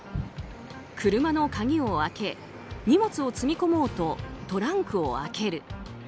車の鍵を開け荷物を積み込もうとトランクを開ける。